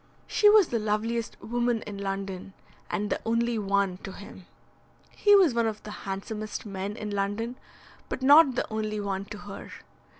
She was the loveliest woman in London, and the only one to him. He was one of the handsomest men in London, but not the only one to her.